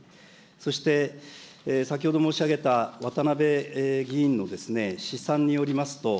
そして先ほど申し上げた、渡辺議員のですね、試算によりますと、